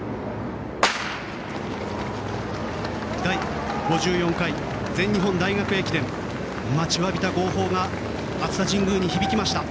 第５４回全日本大学駅伝待ちわびた号砲が熱田神宮に響きました。